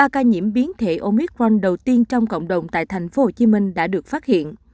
ba ca nhiễm biến thể omicron đầu tiên trong cộng đồng tại tp hcm đã được phát hiện